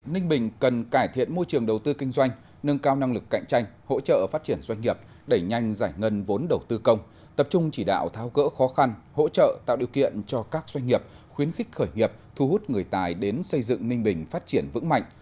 ninh bình cần cải thiện môi trường đầu tư kinh doanh nâng cao năng lực cạnh tranh hỗ trợ phát triển doanh nghiệp đẩy nhanh giải ngân vốn đầu tư công tập trung chỉ đạo thao gỡ khó khăn hỗ trợ tạo điều kiện cho các doanh nghiệp khuyến khích khởi nghiệp thu hút người tài đến xây dựng ninh bình phát triển vững mạnh